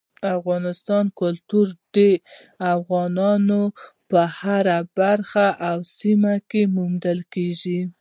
افغاني کلتور د افغانستان په هره برخه او سیمه کې موندل کېدی شي.